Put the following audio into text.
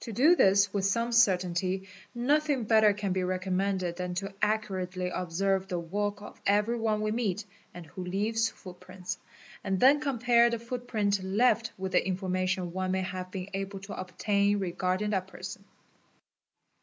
To do this with some certainty nothing better can be recommen ed than to accurately observe the walk of every one we meet and who t ives footprints, and then compare the footprint left with the information me may have been able to obtain regarding that person.